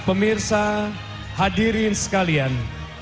pemirsa hadirin sekalian